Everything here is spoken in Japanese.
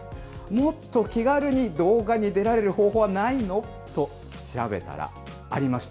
もっと気軽に動画に出られる方法はないの？と調べたら、ありました。